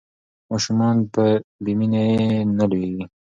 ماشومان بې مینې نه لویېږي.